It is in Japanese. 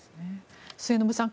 末延さん